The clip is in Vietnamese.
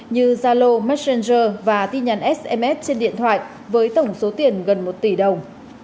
như zalo messenger và tin nhắn sms trên điện thoại với tổng số tiền gần một tỷ đồng